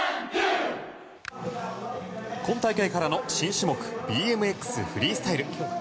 今大会からの新種目ＢＭＸフリースタイル。